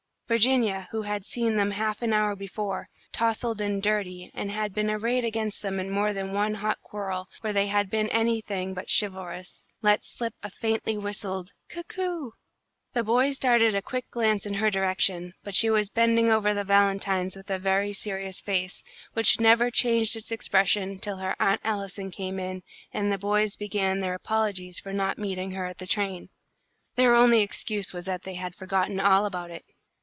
Virginia, who had seen them half an hour before, tousled and dirty, and had been arrayed against them in more than one hot quarrel where they had been anything but chivalrous, let slip a faintly whistled "cuckoo!" The boys darted a quick glance in her direction, but she was bending over the valentines with a very serious face, which never changed its expression till her Aunt Allison came in and the boys began their apologies for not meeting her at the train. Their only excuse was that they had forgotten all about it.